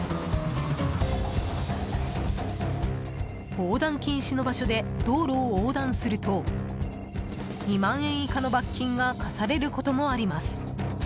横断禁止の場所で道路を横断すると２万円以下の罰金が科されることもあります。